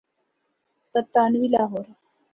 برطانوی لاہور۔